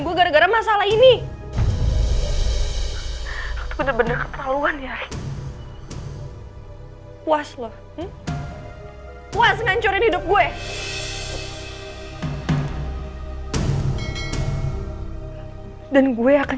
gue gara gara masalah ini aku bener bener kelaluan ya puas loh puas ngancurin hidup gue dan gue akan